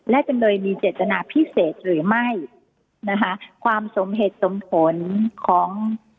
และจำเลยมีเจตนาพิเศษหรือไม่นะคะความสมเหตุสมผลของ